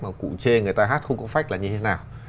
mà cụ chê người ta hát không có phách là như thế nào